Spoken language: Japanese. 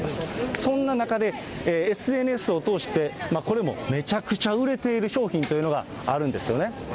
そんな中でＳＮＳを通して、これもめちゃくちゃ売れてる商品というのがあるんですよね。